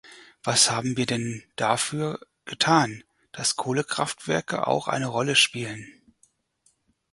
Was haben wir denn dafür getan, dass Kohlekraftwerke auch eine Rolle spielen?